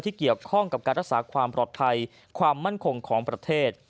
เกี่ยวข้องกับการรักษาความปลอดภัยความมั่นคงของประเทศ